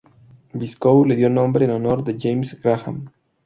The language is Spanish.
Biscoe le dio nombre en honor de James Graham.